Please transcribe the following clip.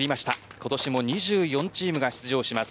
今年も２４チームが出場します。